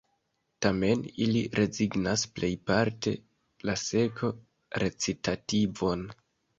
Tamen ili rezignas plejparte la seko-recitativon.